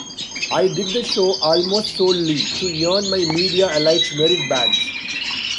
I did the show almost solely to earn my media-elite merit badge.